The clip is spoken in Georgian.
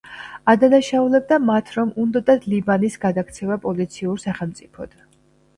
ადანაშაულებდა მათ, რომ უნდოდათ ლიბანის გადაქცევა „პოლიციურ სახელმწიფოდ“.